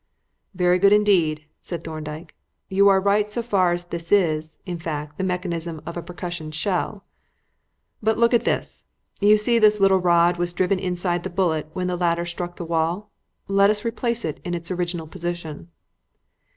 "Very good indeed," said Thorndyke. "You are right so far that this is, in fact, the mechanism of a percussion shell. "But look at this. You see this little rod was driven inside the bullet when the latter struck the wall. Let us replace it in its original position."